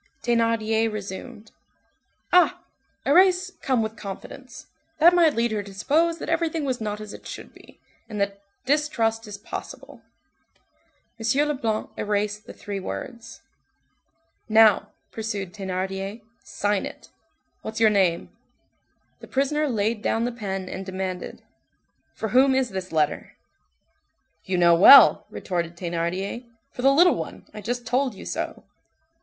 Thénardier resumed:— "Ah! erase 'come with confidence'; that might lead her to suppose that everything was not as it should be, and that distrust is possible." M. Leblanc erased the three words. "Now," pursued Thénardier, "sign it. What's your name?" The prisoner laid down the pen and demanded:— "For whom is this letter?" "You know well," retorted Thénardier, "for the little one I just told you so."